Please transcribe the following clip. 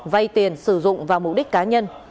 vay tiền sử dụng vào mục đích cá nhân